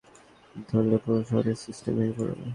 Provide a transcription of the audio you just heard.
এদের ধরলে পুরো শহরের সিস্টেম ভেঙে পড়বে।